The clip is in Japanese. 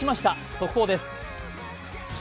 速報です。